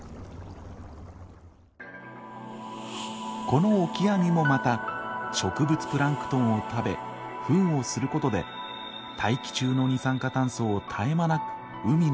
このオキアミもまた植物プランクトンを食べフンをすることで大気中の二酸化炭素を絶え間なく海の底に送っている。